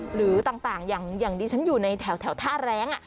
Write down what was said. หรือต่างอย่างดิฉันอยู่ในแถวท่าแรง